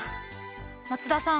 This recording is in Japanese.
松田さん